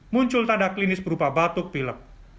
muncul tanda klinis berupa batuk pilek